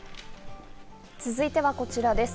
続いてはこちらです。